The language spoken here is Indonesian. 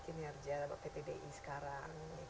kinerja pt di sekarang